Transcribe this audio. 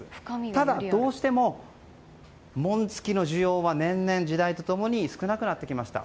ただ、どうしても紋付きの需要は年々、時代と共に少なくなってきました。